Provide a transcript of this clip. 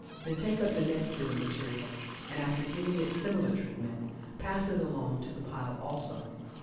Then take up the next bit of material, and after giving it similar treatment, pass it along to the pile also.